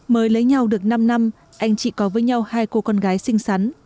mới lấy nhau được năm năm anh chị có với nhau hai cô con gái xinh xắn